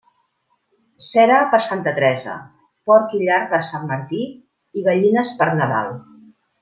Cera per Santa Teresa, porc i llard per Sant Martí i gallines per Nadal.